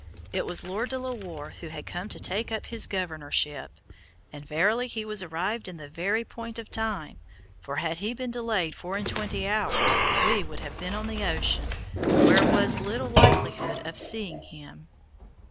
It was Lord De la Warr who had come to take up his governorship, and verily he was arrived in the very point of time, for had he been delayed four and twenty hours, we would have been on the ocean, where was little likelihood of seeing him.